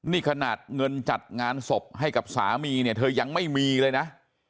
นี่ขนาดเงินจัดงานศพให้กับสามีเนี่ยเธอยังไม่มีเลยนะ